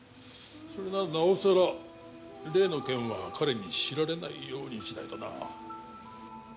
それならなおさら例の件は彼に知られないようにしないとな。